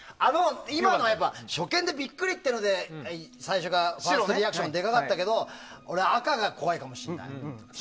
初見でビックリというので最初がファーストリアクションでかかったけど俺、赤が怖いかもしれない。